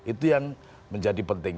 itu yang menjadi penting